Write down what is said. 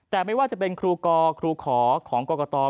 แต่ไม่ว่าจะเป็นครูกรครูขอของกรกต